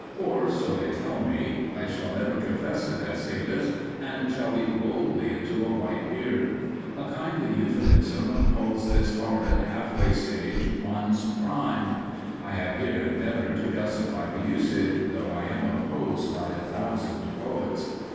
Or, so they tell me; I shall never confess to that status, and shall leap boldly into a white beard. A kindly euphemism calls this horrid, half way stage one's Prime. I have here endeavoured to justify the usage, though I am opposed by a thousand poets.